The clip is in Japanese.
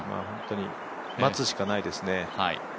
本当に待つしかないですね。